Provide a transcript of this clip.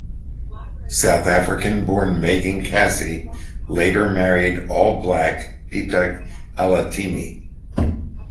South African-born Megan Cassie later married All Black Pita Alatini.